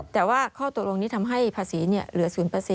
แต่ว่าข้อตกลงนี้ทำให้ภาษีเหลือ๐